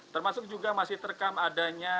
termasuk juga masih terekam adanya